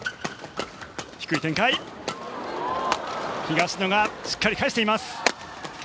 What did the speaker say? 東野がしっかり返しています。